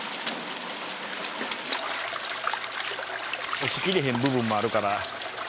落ちきれへん部分もあるから。